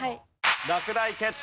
落第決定！